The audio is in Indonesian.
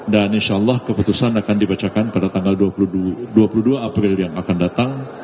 dan insyaallah keputusan akan dibacakan pada tanggal dua puluh dua april yang akan datang